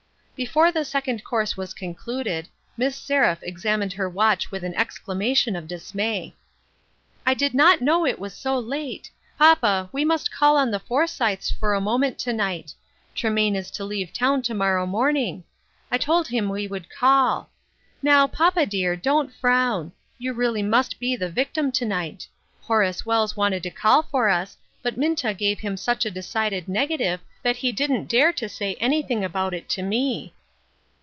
Before the second course was concluded, Miss Seraph examined her watch with an exclamation of dismay. " I did not know it was so late. Papa, we must call on the Forsythes for a moment to night ; Tremaine is to leave town to morrow morning. I told him we would call. Now, papa dear, don't frown ; you really must be the victim to night. Horace Wells wanted to call for us, but Minta gave him such a decided negative that he didn't dare to say anything about it to me."